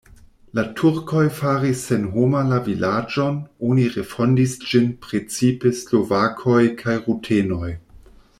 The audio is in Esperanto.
La turkoj faris senhoma la vilaĝon, oni refondis ĝin precipe slovakoj kaj rutenoj.